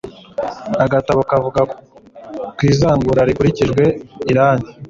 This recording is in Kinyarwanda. agatabo kavuga ku izungura rikurikijwe irage